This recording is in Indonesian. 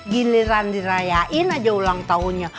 giliran dirayain aja ulang tahunnya